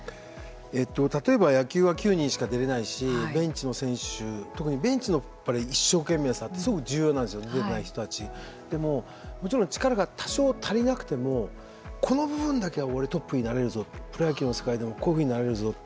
例えば野球は９人しか出れないしベンチの選手特にベンチの一生懸命さはすごく重要なんですでも、もちろん力が多少足りなくてもこの部分だけは俺トップになれるぞプロ野球の世界でもこういうふうになれるぞ。